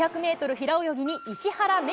平泳ぎに石原愛